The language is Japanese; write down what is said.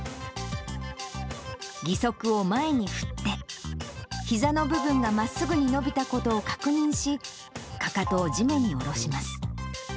義足を前に振って、ひざの部分がまっすぐに伸びたことを確認し、かかとを地面に下ろします。